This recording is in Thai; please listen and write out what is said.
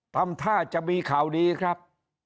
ทำท่าจะมีข่าวดีครับ